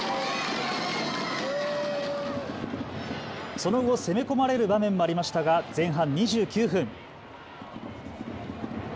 その後、攻め込まれる場面もありましたが前半２９分。